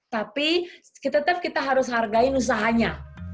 tapi tetap kita harus hargai usahanya